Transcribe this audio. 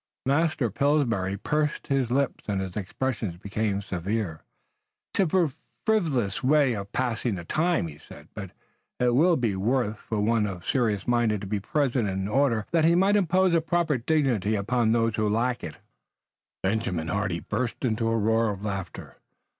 Master Pillsbury pursed his lips and his expression became severe. "'Tis a frivolous way of passing the time," he said, "but it would be well for one of serious mind to be present in order that he might impose a proper dignity upon those who lack it." Benjamin Hardy burst into a roar of laughter.